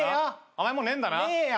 甘いもんねえんだな。ねえよ。